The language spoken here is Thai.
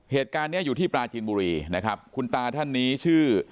เหตุการณ์เนี้ยอยู่ที่ปลาจีนบุรีนะครับคุณตาท่านนี้ชื่อ